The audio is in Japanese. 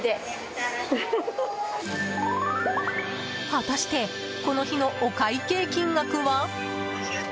果たしてこの日のお会計金額は。